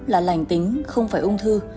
là lạnh tính không phải ung thư